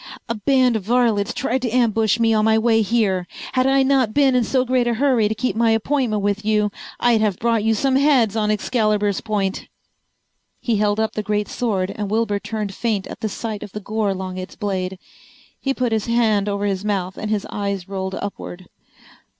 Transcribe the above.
"A band of varlets tried to ambush me on my way here. Had I not been in so great a hurry to keep my appointment with you I'd have brought you some heads on Excalibur's point." He held up the great sword and Wilbur turned faint at the sight of the gore along its blade. He put his hand over his mouth and his eyes rolled upward.